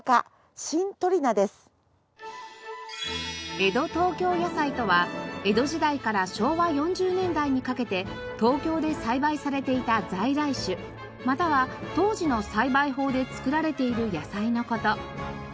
江戸東京野菜とは江戸時代から昭和４０年代にかけて東京で栽培されていた在来種または当時の栽培法で作られている野菜の事。